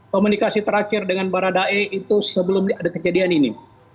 komunikasi terakhir dengan baradae itu sebelum ada kejadian ini